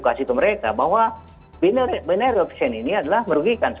masyarakat dengan tadi menguatkan itu